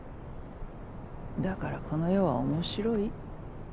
だからこの世は面白い。